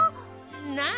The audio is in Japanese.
なあ。